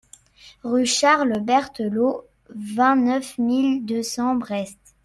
Rue Charles Berthelot, vingt-neuf mille deux cents Brest